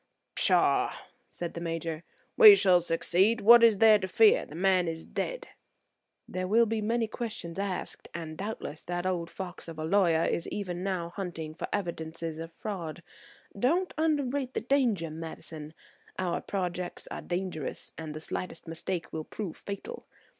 "Pshaw!" said the Major, "we shall succeed. What is there to fear? the man is dead." "There will be many questions asked, and, doubtless, that old fox of a lawyer is even now hunting for evidences of fraud. Don't underrate the danger, Madison. Our projects are dangerous, and the slightest mistake will prove fatal.